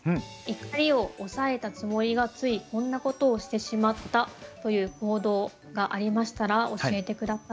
怒りを抑えたつもりがついこんなことをしてしまったという行動がありましたら教えて下さい。